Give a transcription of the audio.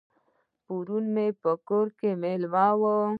پرون یې په کور کې مېلمه وم.